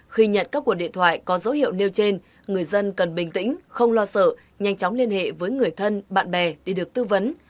khi nhận các cuộc điện thoại có dấu hiệu nêu trên người dân cần bình tĩnh không lo sợ nhanh chóng liên hệ với người thân bạn bè để được tư vấn